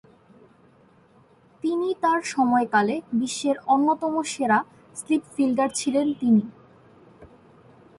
তিনি তার সময়কালে বিশ্বের অন্যতম সেরা স্লিপ ফিল্ডার ছিলেন তিনি।